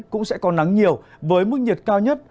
cũng sẽ có nắng nhiều với mức nhiệt cao nhất